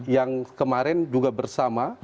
yang kemarin juga bersama